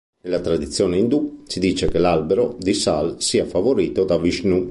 Nella tradizione indù, si dice che l'albero di sal sia favorito da Vishnu.